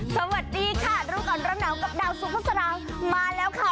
สวัสดีค่ะรู้ก่อนร้อนหนาวกับดาวสุภาษามาแล้วค่ะ